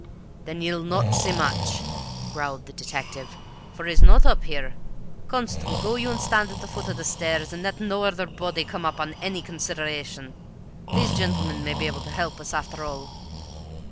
"Then ye'll not see much," growled the detective, "for he's not up here. Constable, go you and stand at the foot o' the stairs, and let no other body come up on any conseederation; these gentlemen may be able to help us after all."